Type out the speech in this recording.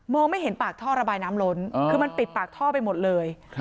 ไม่เห็นปากท่อระบายน้ำล้นคือมันปิดปากท่อไปหมดเลย